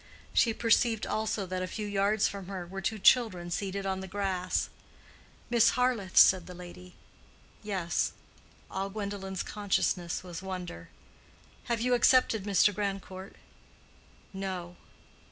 She perceived, also, that a few yards from her were two children seated on the grass. "Miss Harleth?" said the lady. "Yes." All Gwendolen's consciousness was wonder. "Have you accepted Mr. Grandcourt?" "No."